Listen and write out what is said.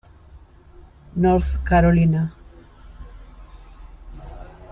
North Carolina.